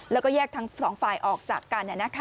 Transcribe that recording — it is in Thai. แล้วก็แยกทั้งสองฝ่ายออกจากกันเนี่ยนะคะ